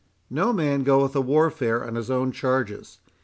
No man goeth a warfare on his own charges.